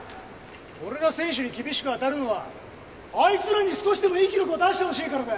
俺が選手に厳しく当たるのはあいつらに少しでもいい記録を出してほしいからだよ！